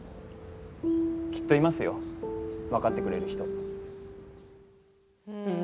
きっといますよ分かってくれる人。